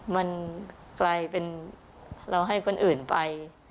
มันกลายเป็นเราให้คนอื่นไป